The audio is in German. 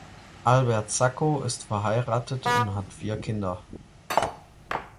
Albert Sacco ist verheiratet und hat vier Kinder.